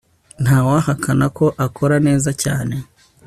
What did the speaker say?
Ntawahakana ko akora neza cyane